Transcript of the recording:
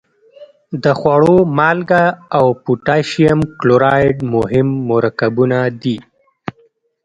د خوړو مالګه او پوتاشیم کلورایډ مهم مرکبونه دي.